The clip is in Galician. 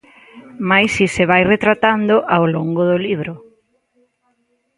Mais si se vai retratando ao longo do libro.